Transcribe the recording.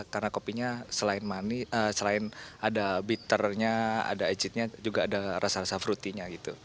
karena kopinya selain ada bitternya ada acidnya juga ada rasa rasa fruitynya